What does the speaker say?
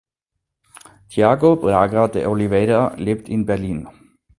Thiago Braga de Oliveira lebt in Berlin.